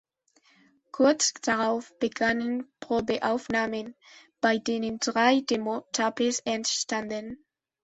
Kurz darauf begannen Probeaufnahmen, bei denen drei Demo-Tapes entstanden.